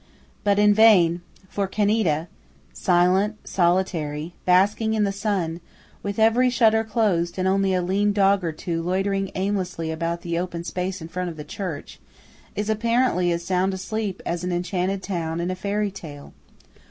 But in vain; for Ceneda–silent, solitary, basking in the sun, with every shutter closed and only a lean dog or two loitering aimlessly about the open space in front of the church–is apparently as sound asleep as an enchanted town in a fairy tale.